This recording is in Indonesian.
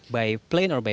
dengan kapal atau kapal